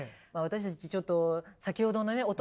私たちちょっと先ほどのね